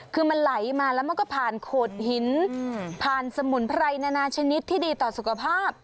คือมันไหลมาแล้วมันก็ผ่านโขดหินผ่านสมุนไพรนานาชนิดที่ดีต่อสุขภาพ